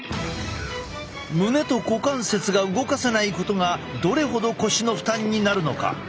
胸と股関節が動かせないことがどれほど腰の負担になるのか。